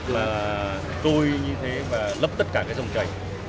và tôi như thế và lấp tất cả cái dòng trành